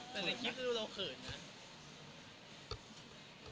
แต่ในคลิปดูเราเขินอ่ะ